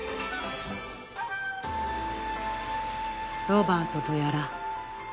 ロバートとやら。